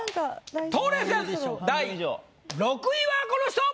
冬麗戦第６位はこの人！